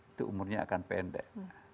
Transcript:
itu umurnya akan pendek